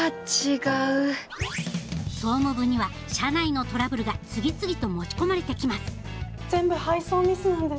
総務部には社内のトラブルが次々と持ち込まれてきます全部配送ミスなんです。